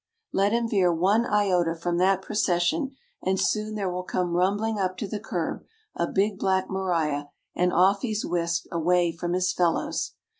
Let him veer one iota from that procession and soon there will come rumbling up to the curb a big black Maria and off he's whisked away from his fellows.